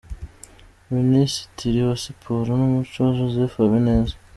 Minisitiri wa Siporo n'umuco, Joseph Habineza.